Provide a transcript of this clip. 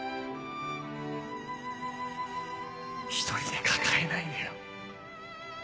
一人で抱えないでよ。